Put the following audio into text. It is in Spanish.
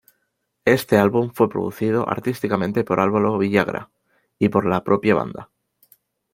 Este álbum, fue producido artísticamente por Álvaro Villagra y por la propia banda.